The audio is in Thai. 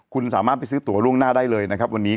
คุณสามารถไปซื้อตัวล่วงหน้าได้เลยนะครับวันนี้